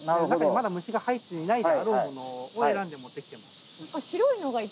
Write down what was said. まだ虫が入っていないであろうものを選んでいます。